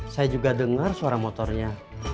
saya juga dengar suara motornya